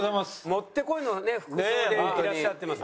もってこいの服装でいらっしゃってます。